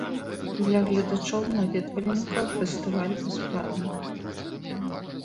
Для гледачоў-наведвальнікаў фестываль бясплатны.